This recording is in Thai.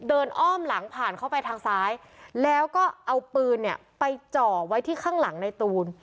อ้อมหลังผ่านเข้าไปทางซ้ายแล้วก็เอาปืนเนี่ยไปจ่อไว้ที่ข้างหลังในตูน